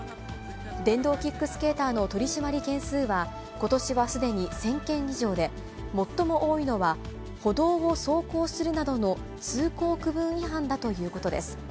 電動キックスケーターの取締り件数は、ことしはすでに１０００件以上で、最も多いのは、歩道を走行するなどの通行区分違反だということです。